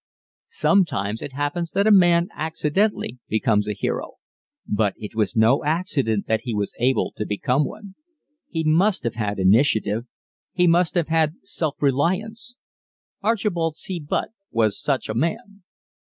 Sometimes it happens that a man accidentally becomes a hero, but it was no accident that he was able to become one. He must have had initiative he must have had self reliance. Archibald C. Butt was such a man.